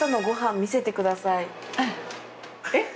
えっ？